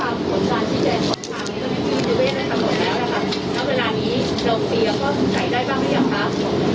ต่อไปก็ได้มีนิติเวทย์นั้นทั้งหมดแล้วนะคะแล้วเวลานี้โรคทีเราก็สงสัยได้บ้างหรือยังคะ